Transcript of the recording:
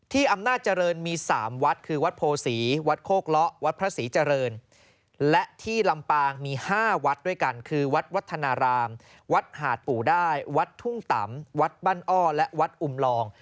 อำนาจเจริญมี๓วัดคือวัดโพศีวัดโคกเลาะวัดพระศรีเจริญและที่ลำปางมี๕วัดด้วยกันคือวัดวัฒนารามวัดหาดปู่ได้วัดทุ่งตำวัดบ้านอ้อและวัดอุ่มลอง